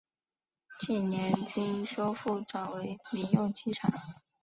近年经修复转为民用机场。